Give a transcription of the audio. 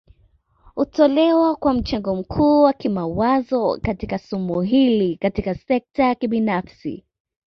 Hutolewa kwa mchango mkuu wa kimawazo katika somo hili Katika sekta ya kibinafsi